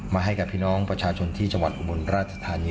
ให้กับพี่น้องประชาชนที่จังหวัดอุบลราชธานี